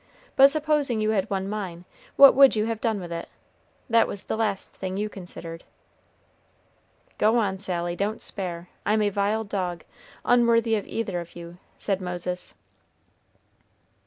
But supposing you had won mine, what would you have done with it? That was the last thing you considered." "Go on, Sally, don't spare; I'm a vile dog, unworthy of either of you," said Moses.